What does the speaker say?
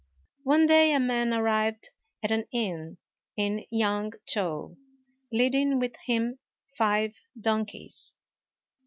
One day a man arrived at an inn in Yang chow, leading with him five donkeys.